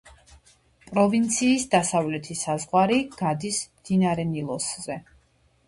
პროვინციის დასავლეთი საზღვარი გადის მდინარე ნილოსზე.